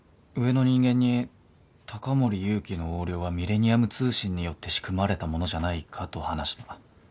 上の人間に高森勇気の横領がミレニアム通信によって仕組まれたものじゃないかと話した。